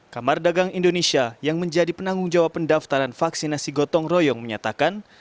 kamar dagang indonesia yang menjadi penanggung jawab pendaftaran vaksinasi gotong royong menyatakan